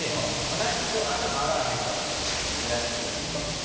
私今日頭洗わへんからちょっと安しといて。